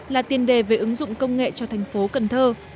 là tiền đề về ứng dụng công nghệ cho thành phố cần thơ